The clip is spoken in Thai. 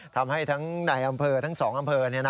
ทำให้ทั้งในอำเภอทั้ง๒อำเภอ